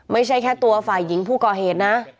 ไม่ใช่แค่ตัวฝ่ายหญิงผู้ก่อเหตุนะ